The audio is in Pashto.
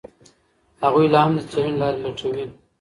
هغوی لا هم د څېړني لارې لټوي.